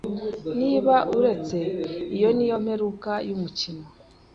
Niba uretse, iyo niyo mperuka yumukino.